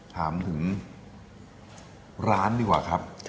ถามถึงร้านดีกว่าครับ